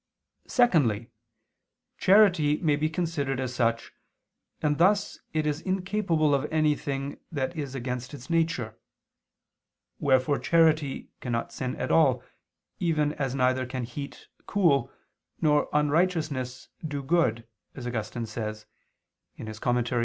xiv). Secondly, charity may be considered as such, and thus it is incapable of anything that is against its nature. Wherefore charity cannot sin at all, even as neither can heat cool, nor unrighteousness do good, as Augustine says (De Serm.